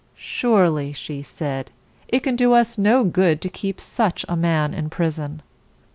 "Surely," she said, "it can do us no good to keep such a man in prison."